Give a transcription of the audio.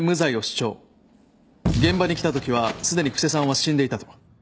現場に来たときはすでに布施さんは死んでいたと。